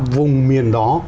vùng miền đó